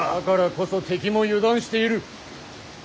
だからこそ敵も油断している。